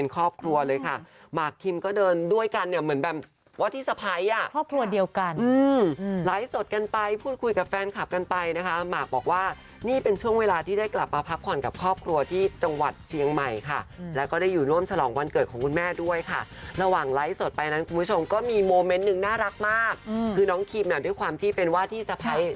ครอบครัวเลยค่ะหมากคิมก็เดินด้วยกันเนี่ยเหมือนแบบว่าที่สะพ้ายอ่ะครอบครัวเดียวกันไลฟ์สดกันไปพูดคุยกับแฟนคลับกันไปนะคะหมากบอกว่านี่เป็นช่วงเวลาที่ได้กลับมาพักผ่อนกับครอบครัวที่จังหวัดเชียงใหม่ค่ะแล้วก็ได้อยู่ร่วมฉลองวันเกิดของคุณแม่ด้วยค่ะระหว่างไลฟ์สดไปนั้นคุณผู้ชมก็มีโมเมนต์หนึ่งน่ารักมากคือน้องคิมน่ะด้วยความที่เป็นว่าที่สะพ้าย